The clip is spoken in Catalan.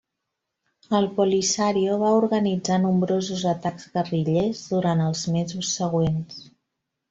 El Polisario va organitzar nombrosos atacs guerrillers durant els mesos següents.